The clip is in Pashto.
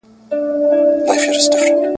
زه به نه یم ستا په لار کي به مي پل وي ,